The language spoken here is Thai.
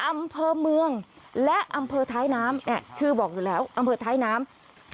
อำเภอเมืองและอำเภอท้ายน้ำเนี่ยชื่อบอกอยู่แล้วอำเภอท้ายน้ำ